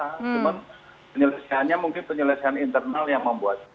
cuma penyelesaiannya mungkin penyelesaian internal yang membuat